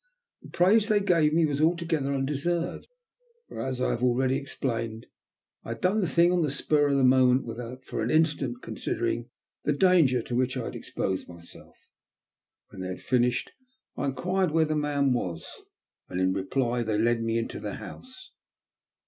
The praise they gave me was altogether undeserved, for, as I have already explained, I had done the thing on the spur of the moment without for an instant considering the danger to which I had exposed myself. When they had finished I enquired where the man was, and in reply they led me into the house.